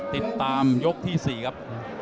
ติดตามยกที่๔ครับ